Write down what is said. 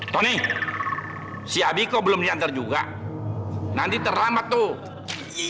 tony si abiko belum diantar juga nanti terlamat tuh